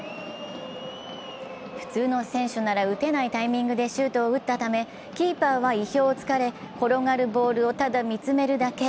普通の選手なら打てないタイミングでシュートを打ったため、キーパーは意表を突かれ転がるボールをただ見つめるだけ。